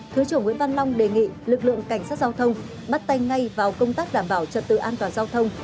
thứ trưởng nguyễn văn long đề nghị lực lượng cảnh sát giao thông bắt tay ngay vào công tác đảm bảo trật tự an toàn giao thông